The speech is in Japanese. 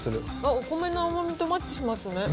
お米の甘みとマッチしますね。